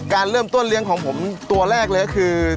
การเริ่มต้นเลี้ยงของผมตัวแรกเลยก็คือ